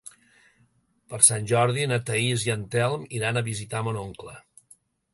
Per Sant Jordi na Thaís i en Telm iran a visitar mon oncle.